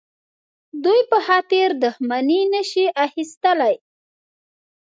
دوی په خاطر دښمني نه شي اخیستلای.